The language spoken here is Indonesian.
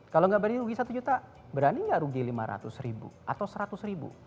kalau nggak berani rugi satu juta berani nggak rugi lima ratus ribu atau seratus ribu